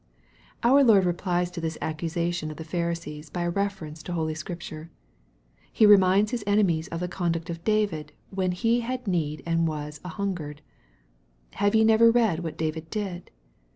Our Lord replies to this accusation of the Pharisees by a reference to holy Scripture. He reminds His enemies of the conduct of David, when he " had need and was an hungered." " Have ye never read what David did